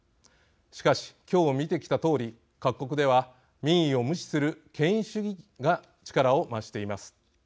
しかし今日見てきたとおり各国では民意を無視する権威主義が力を増しています。